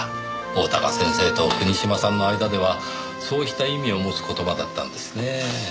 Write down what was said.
大鷹先生と国島さんの間ではそうした意味を持つ言葉だったんですね。